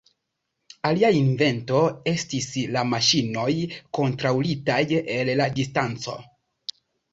Alia invento estis la maŝinoj kontrolitaj el la distanco.